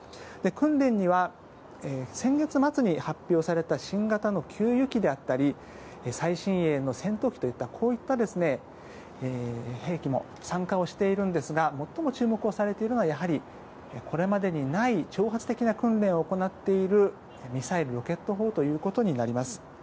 訓練には、先月末に発表された新型の給油機であったり最新鋭の戦闘機であったりこういった兵器も参加しているんですがもっとも注目されているのはやはり、これまでにない挑発的な訓練を行っているミサイル、ロケット砲ということになっています。